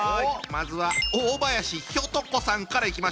まずは大林ひょと子さんからいきましょう。